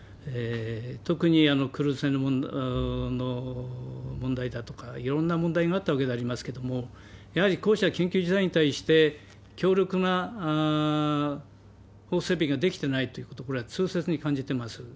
特にあのクルーズ船の問題だとか、いろんな問題があったわけでありますけれども、やはりこうした緊急事態に対して、強力な整備が出来てないっていうこと、これは痛切に感じてます。